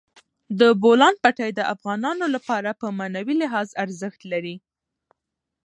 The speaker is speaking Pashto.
د بولان پټي د افغانانو لپاره په معنوي لحاظ ارزښت لري.